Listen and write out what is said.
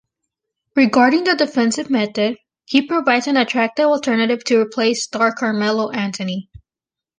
Regarding the defensive method, he provides an attractive alternative to replace star Carmelo Anthony.